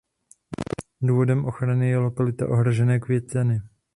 Důvodem ochrany je lokalita ohrožené květeny.